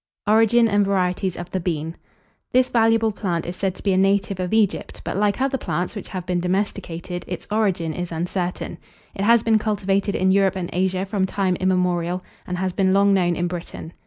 ORIGIN AND VARIETIES OF THE BEAN. This valuable plant is said to be a native of Egypt, but, like other plants which have been domesticated, its origin is uncertain. It has been cultivated in Europe and Asia from time immemorial, and has been long known in Britain.